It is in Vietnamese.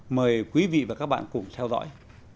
mời quý vị và các bạn cùng theo dõi